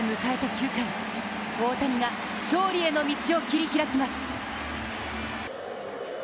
９回、大谷が勝利への道を切り開きます。